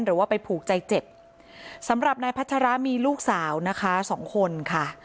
หรือว่าไปผูกใจเจ็บสำหรับนายพัชรามีลูกสาวนะคะสองคนค่ะ